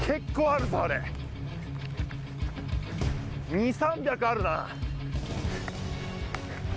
２３００あるな。